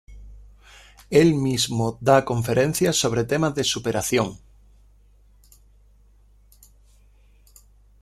Él mismo da conferencias sobre temas de superación.